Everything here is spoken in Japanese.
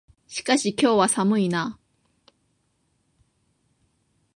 しかし、今日は寒いな。